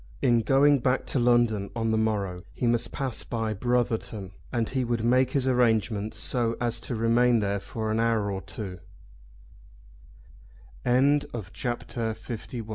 In going back to London on the morrow he must pass by Brotherton, and he would make his arrangements so as to remain there for an hour or two. CHAPTER LII. ANOTHER LOVER.